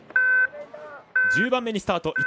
１０番目にスタート